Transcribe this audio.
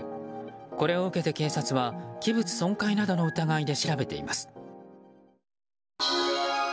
これを受けて警察は器物損壊などの疑いで調べています。